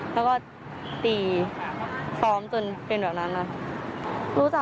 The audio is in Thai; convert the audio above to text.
แล้วก็ตีซ้อมจนเป็นแบบนั้นนะคะ